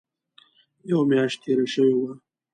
یوه میاشت تېره شوې وه.